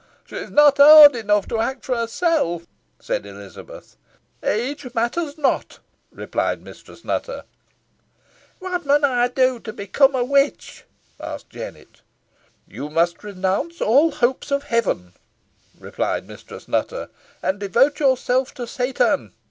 "She is not owd enough to act for herself," said Elizabeth. "Age matters not," replied Mistress Nutter. "What mun ey do to become a witch?" asked Jennet. "You must renounce all hopes of heaven," replied Mistress Nutter, "and devote yourself to Satan.